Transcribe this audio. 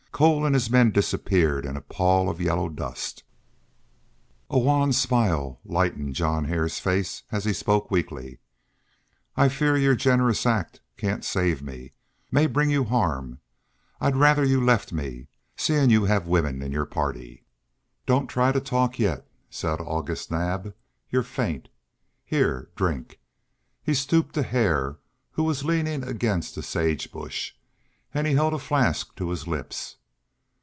Cole and his men disappeared in a pall of yellow dust. A wan smile lightened John Hare's face as he spoke weakly: "I fear your generous act can't save me... may bring you harm. I'd rather you left me seeing you have women in your party." "Don't try to talk yet," said August Naab. "You're faint. Here drink." He stooped to Hare, who was leaning against a sage bush, and held a flask to his lips.